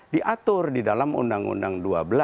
diatur di dalam undang undang dua belas